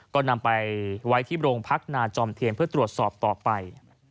ก็นำไปไว้ที่โรงพักนาจอมเทียนเพื่อตรวจสอบต่อไป